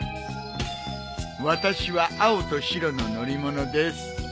私は青と白の乗り物です。